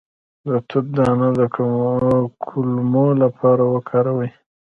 د توت دانه د کولمو لپاره وکاروئ